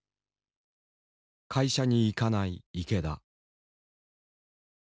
会社に行かない池田。